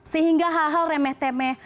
sehingga hal hal remeh temeh